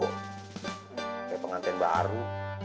kayak pengantin baru